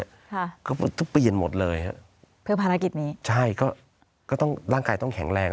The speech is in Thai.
ค่ะก็ทุกเปลี่ยนหมดเลยฮะเพื่อภารกิจนี้ใช่ก็ก็ต้องร่างกายต้องแข็งแรง